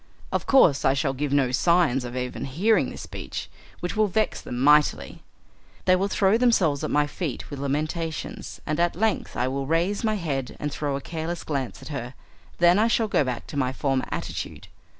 Of course I shall give no signs of even hearing this speech, which will vex them mightily. They will throw themselves at my feet with lamentations, and at length I will raise my head and throw a careless glance at her, then I shall go back to my former attitude.